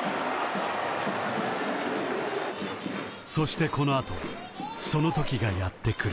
［そしてこの後そのときがやってくる］